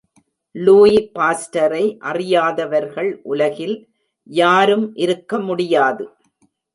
Louis பாஸ்டரை அறியாதவர்கள் உலகில் யாரும் இருக்க முடியாது.